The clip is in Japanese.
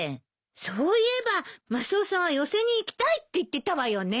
そういえばマスオさんは寄席に行きたいって言ってたわよね。